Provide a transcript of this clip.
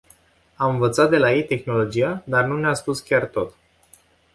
Am învățat de la ei tehnologia, dar nu ne-au spus chiar tot.